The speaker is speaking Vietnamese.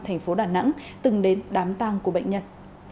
thành phố đà nẵng từng đến đám tang của bệnh nhân